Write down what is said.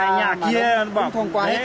đấy đáng nghĩa là nó bảo thông qua nhà kia